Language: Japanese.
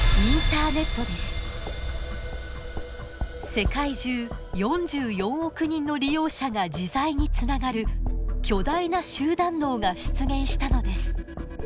世界中４４億人の利用者が自在につながる巨大な集団脳が出現したのです。